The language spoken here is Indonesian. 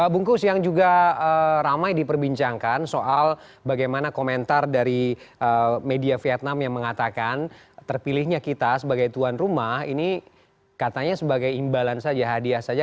bungkus yang juga ramai diperbincangkan soal bagaimana komentar dari media vietnam yang mengatakan terpilihnya kita sebagai tuan rumah ini katanya sebagai imbalan saja hadiah saja